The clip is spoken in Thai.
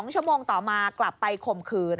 ๒ชั่วโมงต่อมากลับไปข่มขืน